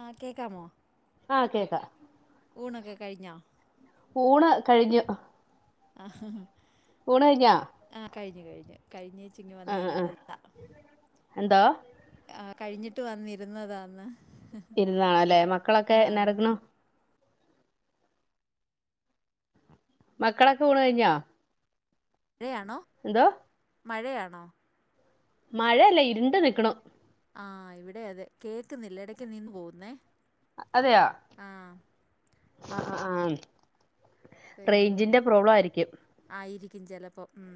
ആഹ് കേക്കാമോ ആഹ് കേക്കാ ഊണൊക്കെ കഴിഞ്ഞോ ഊണ് കഴിഞ്ഞു ആഹാ [unintelligible] ഊണ് കയ്ഞ്ഞാ ആഹ് കഴിഞ്ഞ് കഴിഞ്ഞ് കഴിഞ്ഞേച്ചിങ്ങ് ആഹ് ആഹ് വന്നിരുന്നതാ എന്തോ ആഹ് കഴിഞ്ഞിട്ട് വന്നിരുന്നതാന്ന് ഇരുന്നതാ ലേ മക്കളൊക്കെ ആഹ് എന്നാട്ക്കുണു മക്കളൊക്കെ ഊണ് കഴിഞ്ഞോ [unintelligible] എന്താ മഴയാണോ മഴല്ല. ഇര്ണ്ട് നിക്ക്ണ് ആഹ് ഇവിടെ അതെ. കേക്ക്ന്നില്ല ഇടക്ക് നിന്ന് പോവുന്നേ അതെയോ അഹ് അഹ് ആഹ് റേഞ്ചിന്റെ പിന്നെ പ്രോബ്ലം ആയിരിക്കും ആയിരിക്കും ചെലപ്പോ ഉം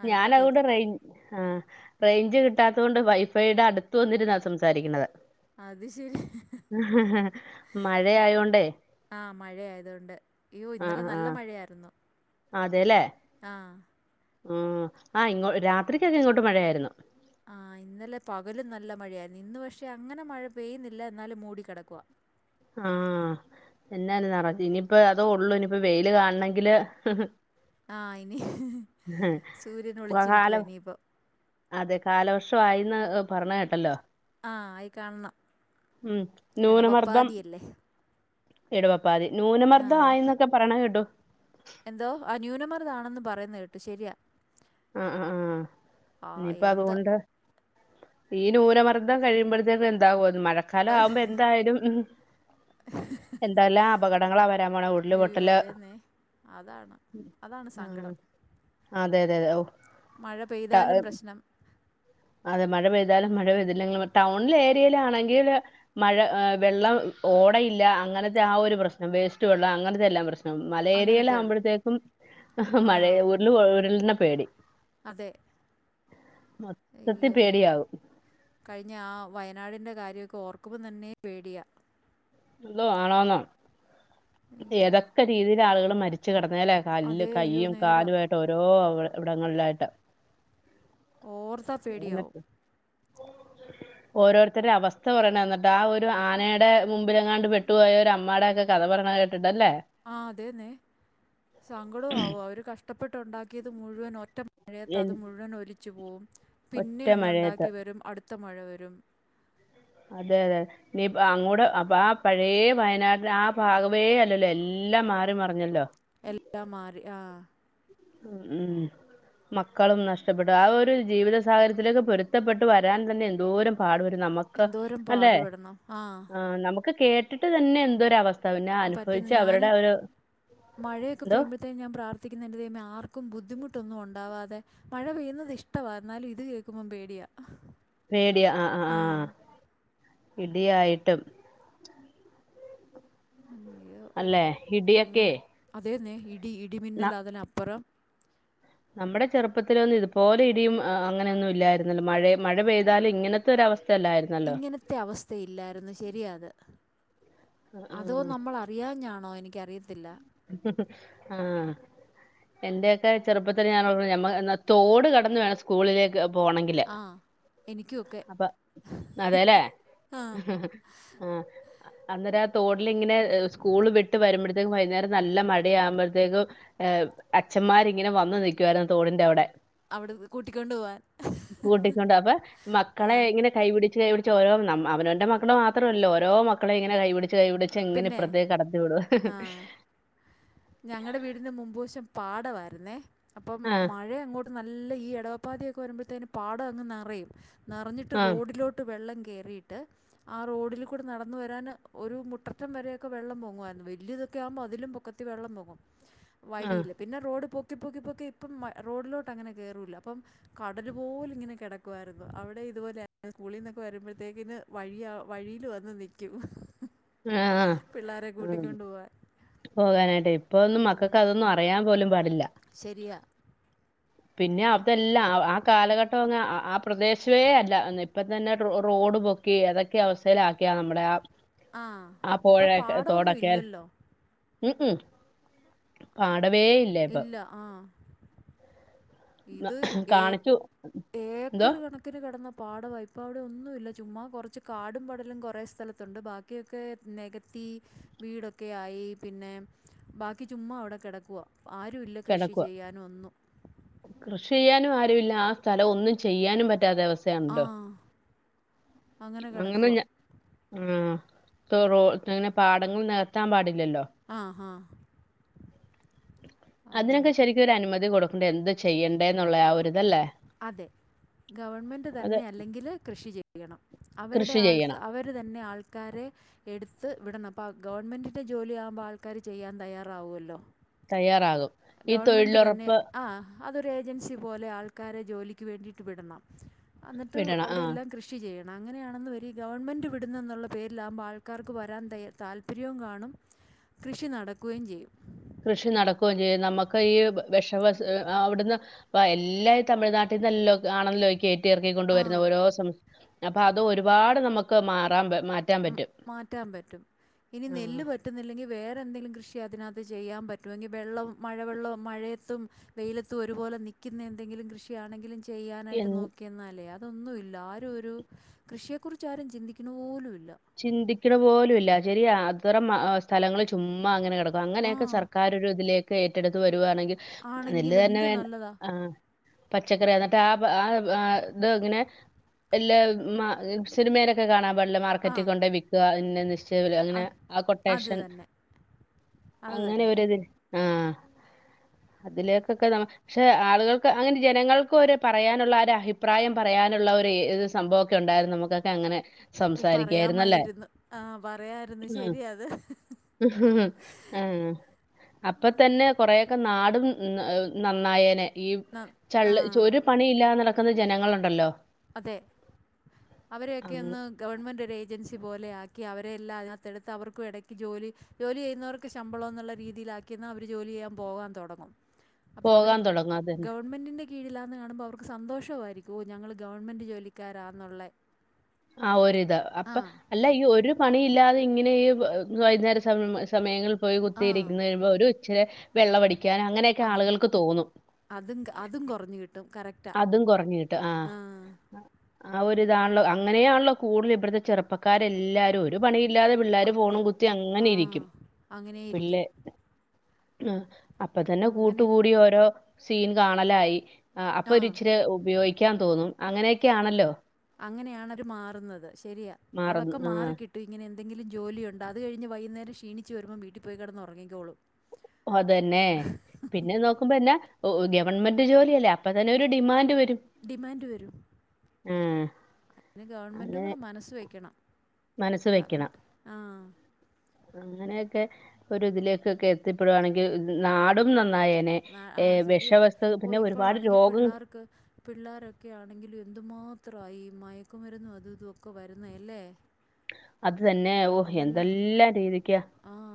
ആഹ് ഇപ്പം കേക്ക് ഞാനവിടെ റൈ ആഹ് റൈഞ്ച് കിട്ടാത്തോതുകൊണ്ട് വൈഫൈയുടെ അടുത്ത് വന്നിരുന്നാ സംസാരിക്കുന്നത് അത് ശരി മഴയായോണ്ടേ ആഹ് മഴയായത്കൊണ്ട്, യ്യോ ഇന്നലെ നല്ല മഴയായിരുന്നു അതെ ലേ ആഹ് ആഹ് ആ ഇങ്ങോ രാത്രിക്കൊക്കെ ഇങ്ങോട്ട് മഴയായിരുന്നു ആഹ് ഇന്നലെ പകലും നല്ല മഴയായിരുന്നു. ഇന്ന് പക്ഷെ അങ്ങനെ മഴ പെയ്യുന്നില്ല, എന്നാലും മൂടിക്കടക്കുവാ ആഹ് [unintelligible] ഇനിയിപ്പ അതോ ഉള്ളൂ ഇനിപ്പോ വെയില് കാണ്ണെങ്കില് ആഹ് ഇനി, കാല സൂര്യനൊളിച്ചിരിക്കുവാ ഇനിയിപ്പൊ അതെ കാലവർഷവായീന്ന് പറണ കേട്ടല്ലോ ആഹ് ആയി കാണണം ഉം നൂനമർദ്ദം എടവപ്പാതിയല്ലേ ഇടവപ്പാതി, നൂനമർദ്ദം ആഹ് ആയീന്നൊക്കെ പറണെ കേട്ടു എന്തോ ആ ന്യൂനമർദ്ദാണെന്ന് പറയുന്ന കേട്ടു ശെരിയാ ആഹ് ആഹ് ആഹ് ആഹ് എന്ത് ഇനിയിപ്പതുകൊണ്ട് ഈ നൂനമർദ്ദം കഴിയുമ്പഴത്തേക്ക് എന്താവൊന്ന് മഴ ക്കാലവാകുമ്പ എന്തായാലും എന്തെല്ലാം അപകടങ്ങളാ വരാൻ പോണെ, ഉരുള് അയ്യോ പൊട്ടല് അതേന്നെ അതാണ് അതാണ് ആഹ് സങ്കടം അതെ അതെ അതെ ഔ മഴ പെയ്താലും പ്രശ്നം അതെ, മഴ പെയ്താലും മഴ പെയ്തില്ലെങ്കിലും ടൗൺ ല് ഏരിയയിലാണെങ്കില് മഴ വെള്ളം ഓടയില്ല, അങ്ങനത്തെ ആ ഒരു പ്രശ്നം, വേസ്റ്റ് വെള്ളം, അങ്ങനത്തെ എല്ലാം പ്രശ്നം അങ്ങനത്തെയുള്ളു മലഏരിയയിലാകുമ്പോഴത്തേക്കും മഴ ആഹ് ഉരുള് ഉരുളിനെ പേടി അതെ മൊത്തം അയ്യോ കഴിഞ്ഞ ആ വയനാടിൻ്റെ കാര്യമൊക്കെ ഓർക്കുമ്പോ തന്നെ പേടിയാ എന്തോ ആളാന്നോ അയ്യോ ഏതൊക്കെ രീതിൽ ആളുകൾ മരിച്ച് കടന്നാലേ കല്ല് അതേ അയ്യോ കയ്യും നേരാ കാലുമായിട്ട് ഓരോ അവ ഇവിടങ്ങളിലായിട്ട് ഓർത്താ പേടിയാവും എന്നിട്ട് ഓരോരുത്തരടെ അവസ്ഥ പറയണെന്നിട്ട് ആ ഒരു ആനയുടെ മുമ്പിലെങ്ങാണ്ട് പെട്ടുപോയ ഒരു അമ്മടൊക്കെ കഥ പറയണത് കേട്ടിട്ട് അല്ലേ ആ അതെന്നെ സങ്കടും ആവാ അവര് കഷ്ടപ്പെട്ടുണ്ടാക്കിയത് മുഴുവൻ ഒറ്റ മഴയത്ത് അത് എൻ- മുഴുവൻ ഒലിച്ചുപോവും ഒറ്റ പിന്നെയും മഴയത്ത് ഒന്നുണ്ടാക്കിവരും അടുത്ത മഴ വരും അതെ അതെ അതെ ഇനി പ്പോ അങ്ങോടെ അപ്പൊ ആ പഴയ വയനാടിന്റെ ആ ഭാഗവേ അല്ലല്ലോ എല്ലാം മാറി മറിഞ്ഞല്ലോ എല്ലാം മാറി ആഹ് ഉം മക്കളും നഷ്ടപ്പെട്ടു ആ ഒരു ജീവിത സാഹചര്യത്തിലേക്ക് പൊരുത്തപ്പെട്ട് വരാൻ തന്നെ എന്തോരം പാടു വരും നമ്മക്ക് എന്തോരം അല്ലെ പാടുപെടണം ആ നമ്മുക്ക് കേട്ടിട്ട് തന്നെ എന്തൊരവസ്ഥ പിന്നെ പറ്റന്ന് അനുഭവിച്ച് ഞാന് അവരുടെ ഒരു മഴയൊക്കെ എന്തോ പെയ്യുമ്പത്തി ഞാൻ പ്രാർത്ഥിക്കുന്നതെന്റെ ദൈവമേ ആർക്കും ബുദ്ധിമുട്ടൊന്നും ഉണ്ടാവാതെ മഴ പെയ്യുന്നത് ഇഷ്ടവാ എന്നാലും ഇത് കേൾക്കുമ്പോം പേടിയാ പേടിയ ആഹ് ആഹ് ആ ആഹ് ഇടിയായിട്ടും അല്ലെ ഇടിയൊക്കെയ് അതേന്നെ ഹിടി ഇടിമിന്നലതിനപ്പുറം നമ്മുടെ ചെറുപ്പത്തിലൊന്നും ഇതുപോലെ ഇടിയും അങ്ങനൊന്നും ഇല്ലായിരുന്നല്ലോ മഴ മഴ പെയ്താലും ഇങ്ങനത്തെ ഒരവസ്ഥയല്ലായിരുന്നു ഇങ്ങനത്തെ അവസ്ഥയില്ലായിരുന്നു ശരിയ അത് ആ, ആ. അതോ നമ്മൾ അറിയാഞ്ഞാണോ എനിക്കറിയത്തില്ല ആഹ് എന്റെയൊക്കെ ചെറുപ്പത്തിൽ ഞാൻ തോട് കടന്ന് വേണം സ്കൂളിലേക്ക് പോണെങ്കില് ആഹ് എനിക്കും അപ്പൊ അതെല്ലേ ആ ആഹ് അന്നേരം ആഹ് തോടിലിങ്ങനെ സ്കൂള് വിട്ട് വരുമ്പോഴത്തേക്കും വൈകുന്നേരം നല്ല മഴയാകുമ്പോഴത്തേക്കും ഏഹ് അച്ഛന്മാരിങ്ങനെ വന്നു നിൽക്കുവാരുന്നു തോടിന്റെ വിടെ അവിടെന്ന് കൂട്ടിക്കൊണ്ട് പോവാൻ കൂട്ടിക്കൊണ്ട് അപ്പൊ മക്കളെ ആഹ് ഇങ്ങനെ കൈ പിടിച്ച് കൈ പിടിച്ച് ഓരോ അവനവന്റെ മക്കളെ മാത്രമല്ലല്ലോ ഓരോ മക്കളെ ഇങ്ങനെ കൈപിടിച്ച് കൈപിടിച്ച് കൈ പുടിച്ചങ്ങനെ ഇപ്പുറത്തേക്ക് കടത്തി വിടും ഞങ്ങടെ വീടിന് മുമ്പുവശം പാടമായിരുന്നേ അപ്പം ആഹ് മഴ ങ്ങോട്ട് നല്ല ഈ ഇടവപ്പാതിയൊക്കെ വരുമ്പോഴത്തേന് പാടം അങ്ങ് നിറയും നിറഞ്ഞിട്ട് ആഹ് റോഡിലോട്ട് റോഡിലോട്ട് വെള്ളം കയറിയിട്ട് ആഹ് റോഡിൽ കൂടെ നടന്ന് വരാൻ ഒരു മുട്ടറ്റം വരെയൊക്കെ വെള്ളം പോങ്ങുവാരുന്നു വലിയതൊക്കെ ആകുമ്പോൾ അതിലും പൊക്കത്തി വെള്ളം പോങ്ങും ആഹ് വഴിയില് പിന്നെ റോഡ് പൊക്കി പൊക്കി പൊക്കി ഇപ്പം മ റോഡിലോട്ട് അങ്ങനെ കേറുല്ല അപ്പം കടല് പോലെ ഇങ്ങനെ കിടക്കുവായിരുന്നു അവിടെ ഇതുപോലെ സ്കൂളിൽന്നൊക്കെ വരുമ്പോഴത്തേക്കിന് വഴിയില് വഴിയിൽ വന്ന് നിൽക്കും ആഹ് പിള്ളേരെ കൂട്ടിക്കൊണ്ട് പോവാൻ പോകാനായിട്ട് ഇപ്പ ഒന്നും ഉം, മക്കൾക്ക് അതൊന്നും അറി അറിയാൻ പോലും പാടില്ല ശരിയാ പിന്നെ ആ അതെല്ല കാലഘട്ടോന്നും ആ പ്രദേശേ അല്ല ഇപ്പം തന്നെ റോഡ് പൊക്കി അതൊക്കെ ഈ അവസ്ഥയിലാക്കിയ നമ്മുടെ ആഹ് ആ ആഹ് ഇപ്പൊ പോഴ പാടമൊന്നും തോടൊക്കെ ഇല്ലല്ലോ ഉം ഉം പാടവേ ഇല്ല ഇപ്പൊ ഇല്ല ആഹ് ന- ഇത്ഏ കാണിച്ചു എന്തോ ഏക്കറ് കണക്കി ഒത്തിരി കെടന്ന പാടവ ഇപ്പെ അവിടെ ഒന്നും ഇല്ല ചുമ്മാ കെറച്ച് കാടും പടലും കെറേ സ്ഥലത്തുണ്ട് ബാ ക്കിയൊക്കെ നെകത്തി വീടൊക്കെയായി പിന്നെ ബാക്കി ചുമ്മാ അവിടെ കെടക്കുവ ആരുയില്ല കൃഷി കിടക്കുക ചെയ്യാനും ഒന്നും കൃഷി ചെയ്യാനും ആരും ഇല്ല ആഹ് സ്ഥലം ഒന്നും ചെയ്യാനും പറ്റാത്ത അവസ്ഥ ആഹ് അങ്ങനെ ഞ ആഹ് റോ അങ്ങനെ പാടങ്ങൾ നെകത്താൻ പാടില്ലല്ലോ ആഹ് ആഹ് അതിനൊക്കെ ശരിക്കും ഒരു അനുമതി കൊടുക്കണ്ടേ എന്തു ചെയ്യണ്ടേ എന്നുള്ള ആഹ് ഒരിത് അല്ലേ അതെ ഗവൺമെന്റ് തന്നെ അല്ലെങ്കില് കൃഷി ചെയ്യണം അവരു കൃഷി ആൾക്ക ചെയ്യണം അവരു ഇത് തന്നെ ആൾക്കാരെ എടുത്ത് വിടണം അപ്പൊ ഗവൺമെന്റിന്റെ ജോലി ആകുമ്പം ആൾക്കാര് ചെയ്യാൻ തയ്യാറാവുവല്ലോ തയ്യാറാകും ഈ ഗവൺമെന്റ് തന്നെ തൊഴിലുറപ്പ് ആഹ് അതൊരു ഏജൻസി പോലെ ആൾക്കാരെ ജോലിക്ക് വേണ്ടിയിട്ട് വിടണം അന്നിട്ട് വിടണം ആ അവിടെയെല്ലാം കൃഷി ചെയ്യണം അങ്ങനെയാണെന്ന് വരി ഗവൺമെൻറ് വിടുന്നു എന്നുള്ള പേരിലാവകുമ്പോ ആൾക്കാർക്ക് വരാൻ ത താൽ ല്പര്യവും കാണും കൃഷി നടക്കുകയും ചെയ്യും കൃഷി നടക്കുകയും ചെയ്യും നമുക്ക് ഈ വെഷവ അവിടെന്ന് അപ്പെ എല്ലാം ഈ തമിഴ്നാട്ടിൽ നല്ല ആണല്ലോ കേറ്റ് ഇറക്കിക്കൊണ്ട് വരുന്ന ആ ഓരോ സം അപ്പൊ അത് ഒരുപാട് നമുക്ക് മാറാൻ മാറ്റ് ഉം മാറ്റാൻ പറ്റും ഇനി നെല്ല് ആഹ് പറ്റ റ്റുന്നില്ലെങ്കിൽ വേറെ എന്തെങ്കിലും കൃഷി അതിനകത്ത് ചെയ്യാൻ പറ്റുവെങ്കിൽ വെള്ളം മഴവെള്ളവും മഴയത്തും വെയിലത്തും ഒരുപോലെ നിക്കുന്ന എന്തെങ്കിലും കൃഷിയാണെങ്കിലും എൻ ചെയ്യാനായിട്ട് നോക്കിയെന്നാലേ അതൊന്നുയില്ല ആരും ഒരു കൃഷിയെക്കുറിച്ച് ആരും ചിന്തിക്കുന്നദു പോലുയില്ല ഇല്ല ചിന്തിക്കണ പോലുയില്ല ശരിയാ അതിറം സ്ഥലങ്ങളിൽ ചുമ്മാ അങ്ങനെ കെടക്കും ആ അങ്ങനെയൊക്കെ സർക്കാർ ഒരിതിലേക്ക് ഏറ്റെടുത്ത് വരുവാണെങ്കിൽ ആണെങ്കിൽ നെല്ല് തന്നെ എന്ത് വേണ്ട നല്ലതാ ആഹ് പച്ചക്കറി എന്നിട്ട് ആഹ് ആഹ് ഇത് ഇങ്ങനെ ഇല്ലേ മ സിനിമയിലൊക്കെ കാണാൻ പാടില്ലേ ആ വീട്ടി കൊണ്ടേ വിക്കുക അതിന്റെ നിശ്ചയ വില അങ്ങനെ അത് ആ അത് കൊട്ടേഷൻ തന്നെ അത് അങ്ങനെ തന്നെ ഒരിതിന് അതിലേക്ക്ക്കെ നമ പക്ഷെ ആളുകൾക്ക് അങ്ങനെ ജനങ്ങൾക്ക് ഒര് പറയാനൊള്ള ഒരു അഭിപ്രായം പറയാനൊള്ള ഒരുത് സംഭവം ഒക്കെ ഒണ്ടായിരുന്നു നമുക്കൊക്കെ അങ്ങനെ സംസാരിക്കായിരുന്നല്ലേ പറയാമായിരുന്നു ആഹ് പറയായിരുന്നു ആഹ് ശരിയത് ആഹ് അപ്പെതന്നെ കൊറെയക്കെ നാടും നന്നായേനെ ഈ ന ആ ചള്ള് ഒരു പണിയില്ലാതെ നടക്കുന്ന ജനങ്ങളുണ്ടല്ലോ അതെ അവരൊക്കെ അങ്ങ് ഒന്ന് ഗവൺമെൻ്റ് ഒരു ഏജൻസി പോലെയാക്കി അവരെ എല്ലാം അതിനകത്തെടുത്ത് അവർക്കും എടയ്ക്ക് ജോലി ജോലി ചെയ്യുന്നവർക്ക് ശമ്പളം എന്നുള്ള രീതിയില് ആക്കിയെന്ന അവര് ജോലി ചെയ്യാൻ പോകാൻ തെടങ്ങും അപ്പൊ അവര് പോകാൻ തുടങ്ങും അതന്നെ ഗവൺമെന്റിന്റെ കീഴിലാന്ന് കാണുമ്പോൾ അവർക്ക് സന്തോഷവായിരിക്കും ഓ ഞങ്ങള് ഗവൺമെൻ്റ് ജോലിക്കാരാന്നൊള്ളേ ആ ഒരിത് അപ്പൊ അല്ല ഈ ഒരു പണി ഇല്ലാതെ ഇങ്ങനെ ഈ വൈകുന്നേര സമ സമയങ്ങളിൽ പോയി ആഹ്. കുത്തിയിരിക്കുന്ന വരുമ്പോ ഒരു ഇച്ചിരെ വെള്ളവടിക്കാനും അങ്ങനെയെക്കെ അത് ആളുകൾക്ക് തോന്നും അതും അതും കെറഞ്ഞു കിട്ടും കറട് അതും കെറഞ്ഞ് കിട്ടും ആഹ് ആ ഒരിതാണല്ലോ അങ്ങനെയാണല്ലോ കൂടുതൽ ഇവിടത്തെ ചെറുപ്പക്കാരെല്ലാരും ഒരു പണിയില്ലാതെ പിള്ളാർ അതെ. ഫോണും കുത്തി അങ്ങനെ ആഹ്. ഇരിക്കും അങ്ങനെയിരിക്കും. പിള്ളെ- ആഹ അപ്പൊ തന്നെ അങ്ങനെ കൂട്ടുകൂടി ഓരോ സീൻ കാണലായി അപ്പൊ ആഹ്. ഇച്ചിരി ഉപയോഗിക്കാൻ തോന്നും അങ്ങനെയൊക്കെയാണല്ലോ അങ്ങനെയാണ് മാറുന്നത് ശരിയാ മാറുന്ന അതൊക്കെ ആ മാറിക്കി എന്തങ്കിലും ജോലിണ്ടോ അത് കഴിഞ്ഞു വൈകുന്നേരം ക്ഷീണിച്ചു വെരുമ്പോൾ വീട്ടിൽ പോയി കിടന്ന് ഉറങ്ങിക്കോളും അതന്നെ പിന്നെ നോക്കുമ്പോന്നെ ഗവൺമെന്റ് ജോലി അല്ലേ അപ്പ തന്നെ ഒരു ഡിമാൻഡ് വരും ഡിമാൻഡ് വരും ആ അതിന് ഗവൺമെൻ്റ് കൂടെ മനസ് വെക്കണം മനസ് വെക്കണം പറഞ്ഞിട്ട്. ആ. അങ്ങനെയൊക്കെ ഒരു ഇതിലേക്കൊക്കെ എത്തിപ്പെടുവാണെങ്കിൽ നാടും നന്നായേനെ ന ആ ഏ വെഷവസ്തു പിന്നെ ഒരുപാട് രോഗം- ക് പിള്ളേരൊക്കെ ആണെങ്കിലും എന്തുമാത്രമായി മയക്കുമരുന്നും അതും ഇതൊക്കെ വരുന്നത് അല്ലേ [inaudible] അത് തന്നെ ഓ എന്തെല്ലാം രീതിക്ക് ആഹ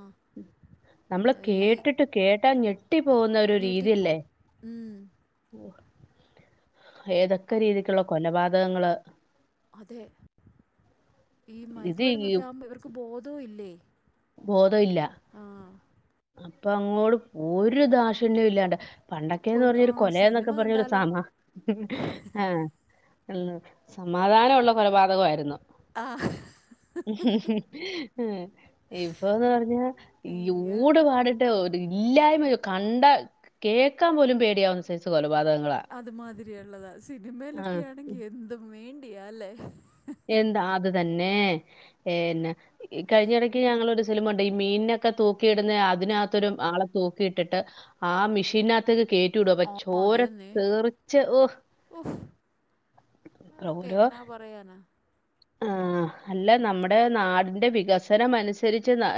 നമ്മള് കേട്ടിട്ട് കേട്ടാ ഞെട്ടി പോകുന്ന ഒരു രീതിയല്ലേ ഞെട്ടിപ്പോവും. ഉം [unintelligible] ഏതൊക്കെ രീതിക്കുള്ള കൊലപാതകങ്ങള് അതെ! ഈ ഇത് മയക്കുമരന്നൊക്കെ ആവുമ്പ ഇവർക്ക് ബോധവും ഇല്ലേ ബോധം ഇല്ല ആഹ അപ്പൊ അങ്ങോട് ഒരു ദാഷിണ്യം ഇല്ലാണ്ടെ പണ്ടൊക്കേന്ന് കൊൽ ആ പറഞ്ഞൊരു കൊല സിനിമ എന്നൊക്കെ പറഞ്ഞൊരു കണ്ടാലോ? സമാ ആ സമാധാനം ഉള്ള കൊലപാതകവായ്രുന്നു. ആ. [unintelligible] ഇപ്പൊന്ന് പറഞ്ഞാ യൂ- അയ്യ! പാടിട്ട് ഇല്ലായ്മ കണ്ട കേൾക്കാൻ പോലും പേടിയാവുന്ന സൈസ് കൊലപാതകങ്ങളാ അതുമാതിരിയള്ളതാ ആ, സിനിമയിലൊക്കെ ആണെങ്കിൽ എന്തും വേണ്ടിയാല്ലേ എന്താ അത് തന്നേ [unintelligible] ഈ കഴിഞ്ഞടക്ക് ഞങ്ങളൊരു സില്മ കണ്ട് ഈ മീൻനക്ക തൂക്കിയിടുന്ന അതിനകത്തൊരു ആളെ തൂക്കിയിട്ടിട്ട് ആ മിഷീനകത്തേക്ക് കേറ്റ്- [unintelligible] ആ ചോര അതന്നെ. തെറിച്ച് ഓഹ് ഉഫ്! അതൊക്കെ ഓരോ എന്നാ പറയാനാ ആഹ് അല്ല നമ്മടെ നാടിന്റെ വികസനം അനുസരിച്ച് ന-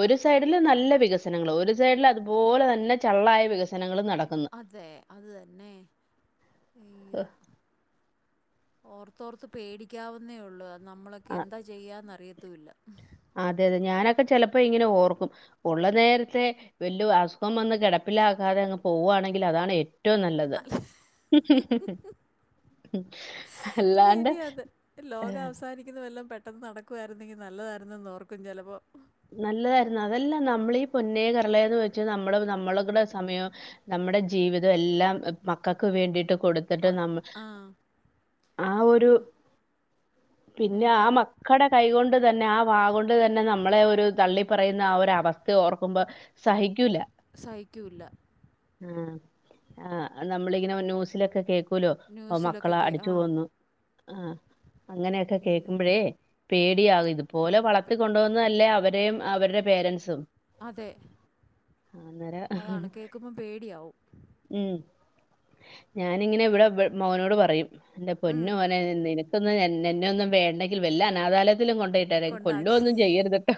ഒരു സൈഡില് നല്ല വികസനങ്ങള്, ഒരു സൈഡില് അതുപോലെ തന്നെ ചള്ളായ വികസനങ്ങളും നടക്ക്ന്ന് അതേ അതു തന്നെ. ഒഹ് അയ്യോ! ഓർത്തോർത്ത് പേടിക്കാവുന്നേ ഒള്ള്. അത് നമ്മളൊക്കെ ആഹ് ന്താ ചെയ്യാന്ന്റിയത്തൂല്ല. അതെ അതെ ഞാനൊക്ക ചെലപ്പോ ഇങ്ങനെ ഓർക്കും. ഉള്ള നേര്ത്തെ വല്ലോം അസുഖം വന്ന് കിടപ്പിലകാതെ അങ്ങ് പോവുവാണെങ്കില് അതാണ് ഏറ്റ- റ്റവും നല്ലത് അല്ലാണ്ട് ശരിയാ അത് ലോക വസാനിക്കുന്ന വല്ലോം പെട്ട- ട്ടന്ന് നടക്കുവായിര്ന്നെങ്കി നല്ലതാര്ന്നെന്നോർക്കും ചെലപ്പോ. നല്ലതാര്ന്ന്, അതല്ല നമ്മളീ പൊന്നേ കർളേയന്ന് വെച്ച് നമ്മള് നമ്മള്കടെ സമയോം നമ്മടെ ജീവിതം എല്ലാം മക്കക്ക് വേണ്ടീട്ട് കൊടുത്ത്- ത്തിട്ട് മ നമ്മ ആ. ആ ഒരു യ്യോ! പിന്നെ ആ നേരാത്. മക്കടെ കൈകൊണ്ട് തന്നെ ആ വാ കൊണ്ട് തന്നെ നമ്മളെ ഒര്- ഒരു തള്ളി പറയുന്ന ആ ഒരവസ്ഥ ഓർക്ക്മ്പോ സഹി- സഹിക്കൂല്ല ആ ആ നമ്മളിങ്ങനെ ന്യൂസിലൊക്കെ കേക്- ക്കൂലൊ ന്യൂസിലൊക്കെ മക്കളാ കേ അടിച്ചു ആ. കൊന്നു. ആ അങ്ങനെക്കെ കേക്കുമ്പഴേ പേടിയാകും ഇതുപോലെ വളർത്തി കൊണ്ടോന്നതല്ലേ അവര് രേം അവര്ടെ പേരന്റ്സും അതെ അതാണ് കേൾക്കുമ്പോം പേടിയാവും. ഉം ഞാനിങ്ങനെ ഇവിടെ മോനോട് പറയും എന്റെ ഉം പൊന്നുമോ- നെ നിനക്കൊന്നും എന്നെ ഒന്നും വേണ്ടെങ്കിൽ വല്ല അനാഥാലയത്തിലും കൊണ്ടെയ്- ട് കൊണ്ടാക്കി കൊല്ലൊന്നും ചെയ്യര്ത്ട്ടോ.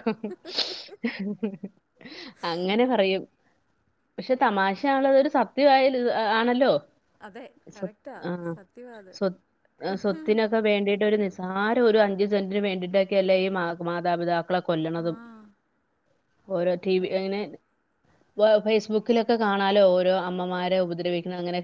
അങ്ങനെ പറയും പഷെ തമാശ ഒള്ളതൊരു സ- ത്യ വായലോ താ ആണല്ലോ. അതെ സ്വത് കറക്റ്റാ സത്യവാ അത് ആ സ്വത്തിനൊക് വേണ്ടീട്ട് ഒരു നിസാര ഒരു അഞ്ച് സെന്റിന് വേണ്ടിട്ടൊക്കെ അല്ലേ ഈ മാതാപിതാക്- ക്കളെ ആ കൊല്ലണതും ഓരോ ടി വി ഈ ങ്ങനെ ഫേസ്ബുക്കിലൊക്കെ കാണാലോ ഓരോ അമ്മമാര ഉപദ്രവിക്കണ അങ്ങനെകെ